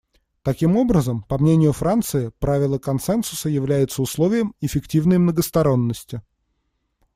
Таким образом, по мнению Франции, правило консенсуса является условием эффективной многосторонности.